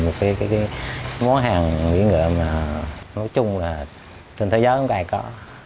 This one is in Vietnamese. một cái món hàng mỹ ngựa mà nói chung là trên thế giới không ai có